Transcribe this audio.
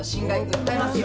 訴えますよ！